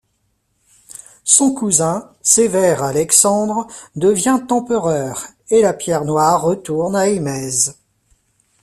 Son cousin, Sévère Alexandre, devient empereur, et la pierre noire retourne à Émèse.